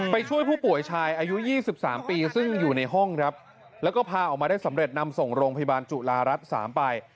ช่วยผู้ป่วยชายอายุ๒๓ปีซึ่งอยู่ในห้องครับแล้วก็พาออกมาได้สำเร็จนำส่งโรงพยาบาลจุฬารัฐ๓ไป